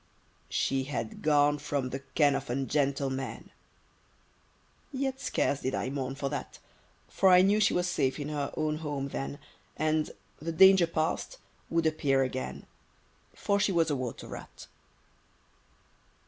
She had gone from the ken of ungentle men! Yet scarce did I mourn for that; For I knew she was safe in her own home then, And, the danger past, would appear again, For she was a water rat.